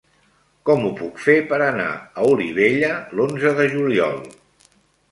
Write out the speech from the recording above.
Com ho puc fer per anar a Olivella l'onze de juliol?